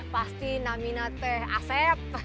pasti naminan teh asep